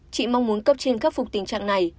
chị mong muốn cấp trên khắc phục tình trạng này